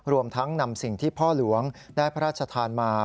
รวมทั้งนำสิ่งที่พ่อหลวงได้พระราชทานมา